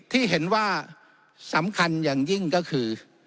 ที่เห็นว่าสำคัญอย่างยิ่งก็คือ